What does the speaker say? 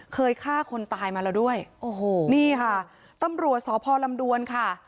เคยฆ่าคนตายมาแล้วด้วยโอ้โหนี่ค่ะตำรวจสพลำดวนค่ะ